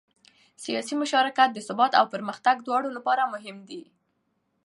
سیاسي مشارکت د ثبات او پرمختګ دواړو لپاره مهم دی